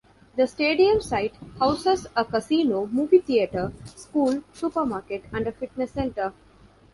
The stadium site houses a casino, movie theater, school, supermarket, and a fitness centre.